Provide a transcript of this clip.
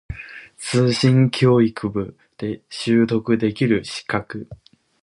通信教育部で取得できる資格